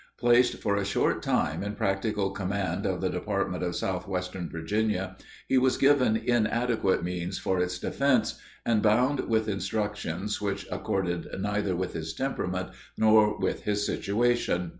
Placed for a short time in practical command of the Department of Southwestern Virginia, he was given inadequate means for its defense, and bound with instructions which accorded neither with his temperament nor with his situation.